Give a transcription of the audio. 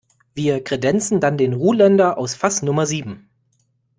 Wir kredenzen dann den Ruländer aus Fass Nummer sieben.